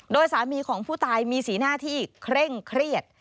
โดยสามีของผู้ตายมีสีหน้าที่เคร่งเครียด